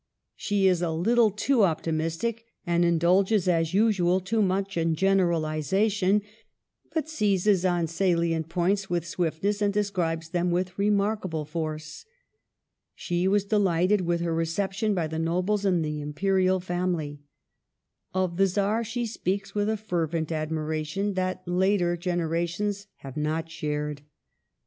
She is a little too optimistic, and indulges, as usual, too much in generaliza tion, but seizes on salient points with swiftness, and describes them with remarkable force. She was delighted with her reception by the nobles and the Imperial family. Of the Czar she speaks with a fervent admiration that later gen erations have not shared.